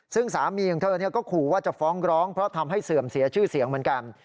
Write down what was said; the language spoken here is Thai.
ซึ่งสามีของเธอก็ขู่ว่าจะฟ้องร้องเพราะทำให้เสื่อมเสียชื่อเสียงเหมือนกัน